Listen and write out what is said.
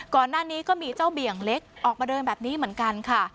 ก่อนหน้านี้ก็มีเจ้าเบี่ยงเล็กออกมาเดินแบบนี้เหมือนกันค่ะ